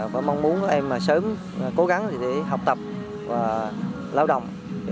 và mong muốn các em sớm cố gắng để học tập và lao động